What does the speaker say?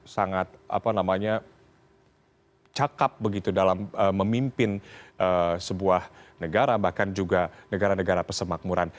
sangat cakep begitu dalam memimpin sebuah negara bahkan juga negara negara pesemakmuran